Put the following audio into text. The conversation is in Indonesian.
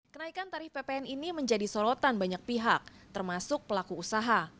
kenaikan tarif ppn ini menjadi sorotan banyak pihak termasuk pelaku usaha